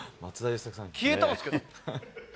消えたんっすけど。